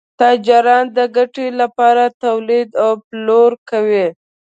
تاجران د ګټې لپاره تولید او پلور کوي.